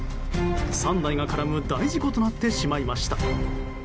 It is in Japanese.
３台が絡む大事故となってしまいました。